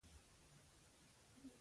خوب د ژوند یو ارزښتناک نعمت دی